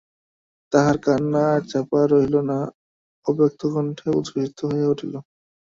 তাহার কান্না আর চাপা রহিল না–অব্যক্তকণ্ঠে উচ্ছ্বসিত হইয়া উঠিল।